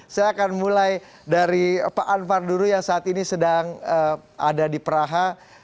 saya akan mulai dari pak anwar dulu yang saat ini sedang ada di praha